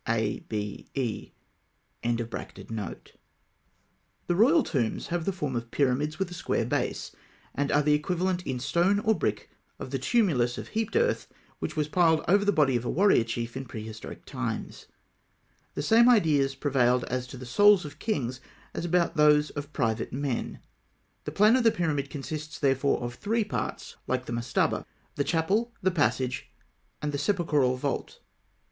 A.B.E.] The royal tombs have the form of pyramids with a square base, and are the equivalent in stone or brick of the tumulus of heaped earth which was piled over the body of the warrior chief in prehistoric times (Note 14). The same ideas prevailed as to the souls of kings as about those of private men; the plan of the pyramid consists, therefore, of three parts, like the mastaba, the chapel, the passage, and the sepulchral vault.